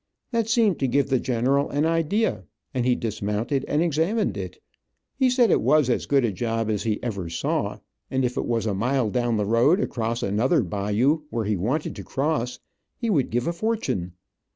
That seemed to give the general an idea, and he dismounted and examined it. He said it was as good a job as he ever saw, and if it was a mile down the road, across another bayou, where he wanted to cross, he would give a fortune.